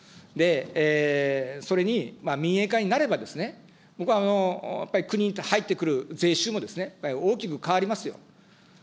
で、それに民営化になればですね、僕はやっぱり、国に入ってくる税収もですね、大きく変わりますよ。